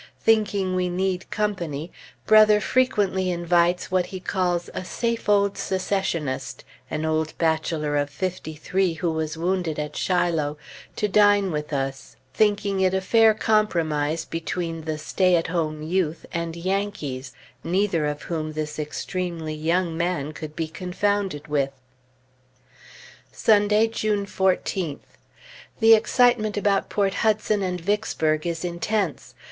Thinking we need company, Brother frequently invites what he calls "a safe old Secessionist" (an old bachelor of fifty three who was wounded at Shiloh) to dine with us; thinking it a fair compromise between the stay at home youth and Yankees, neither of whom this extremely young man could be confounded with. Sunday, June 14th. The excitement about Port Hudson and Vicksburg is intense.